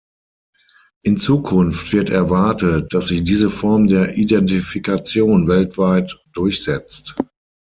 In Zukunft wird erwartet, dass sich diese Form der Identifikation weltweit durchsetzt.